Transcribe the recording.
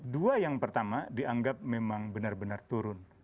dua yang pertama dianggap memang benar benar turun